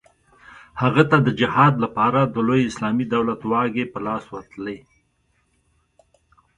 هغه ته د جهاد لپاره د لوی اسلامي دولت واګې په لاس ورتلې.